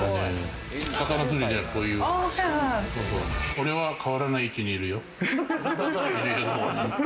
俺は変わらない位置にいるよ。